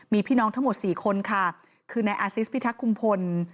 มีพี่น้องทั้งหมด๔คนค่ะคือนายอาซิสพิทักษ์คุมพล